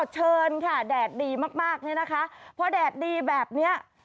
เชิญค่ะแดดดีมากนะคะเพราะแดดดีแบบนี้